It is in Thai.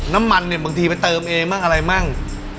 น้ำมันเนี่ยบางทีไปเติมเองบ้างอะไรมั่ง